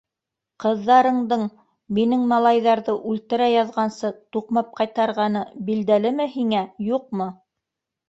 - Ҡыҙҙарыңдың... минең малайҙарҙы үлтерә яҙғансы туҡмап ҡайтарғаны билдәлеме һиңә, юҡмы?